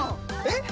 えっ？